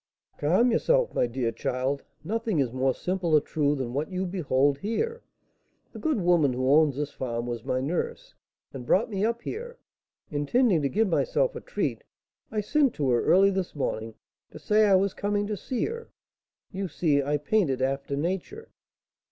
"Calm yourself, my dear child! Nothing is more simple or true than what you behold here. The good woman who owns this farm was my nurse, and brought me up here; intending to give myself a treat, I sent to her early this morning to say I was coming to see her. You see I painted after nature."